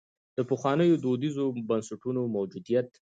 د پخوانیو دودیزو بنسټونو موجودیت.